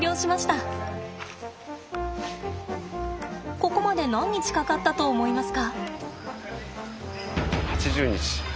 ここまで何日かかったと思いますか？